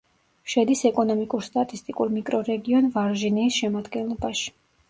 შედის ეკონომიკურ-სტატისტიკურ მიკრორეგიონ ვარჟინიის შემადგენლობაში.